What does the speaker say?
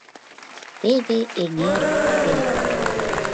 Теве эҥер сер.